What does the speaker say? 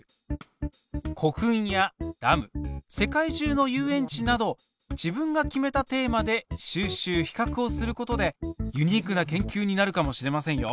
古墳やダム世界じゅうの遊園地など自分が決めたテーマで収集比較をすることでユニークな研究になるかもしれませんよ。